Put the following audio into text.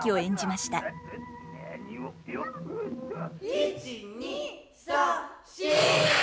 「１２３４！」。